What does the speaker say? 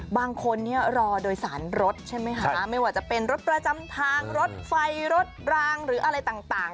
บางคนเนี่ยรอโดยสารรถใช่ไหมคะไม่ว่าจะเป็นรถประจำทางรถไฟรถรางหรืออะไรต่าง